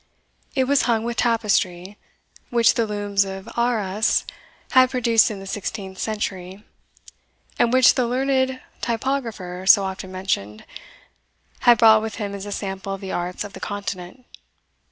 It was hung with tapestry, which the looms of Arras had produced in the sixteenth century, and which the learned typographer, so often mentioned, had brought with him as a sample of the arts of the Continent.